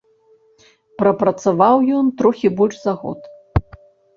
Прапрацаваў ён трохі больш за год.